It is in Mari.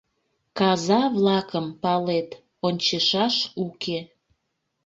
Каза-влакым палет — ончышаш уке.